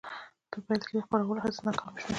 په پیل کې د خپرولو هڅې ناکامې شوې.